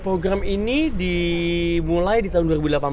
program ini dimulai di tahun dua ribu delapan belas